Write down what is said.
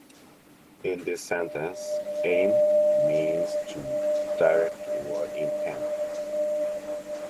In this sentence, "aim" means to direct or intend.